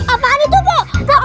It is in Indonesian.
apaan itu mpok